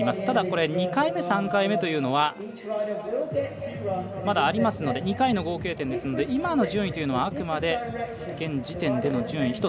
ただ、これ２回目、３回目というのはまだありますので２回の合計点ですので今の順位というのはあくまで現時点での順位。